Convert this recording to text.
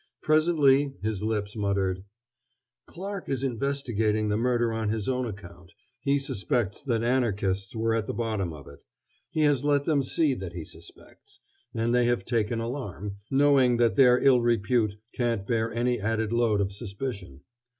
Presently his lips muttered: "Clarke is investigating the murder on his own account; he suspects that Anarchists were at the bottom of it; he has let them see that he suspects; and they have taken alarm, knowing that their ill repute can't bear any added load of suspicion.